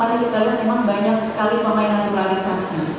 karena kita lihat memang banyak sekali pemain naturalisasi